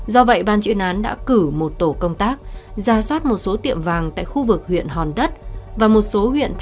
do vậy ban chuyên án đã cử một tổ công tác ra soát một số tiệm vàng tại khu vực huyện hòn đất và một số huyện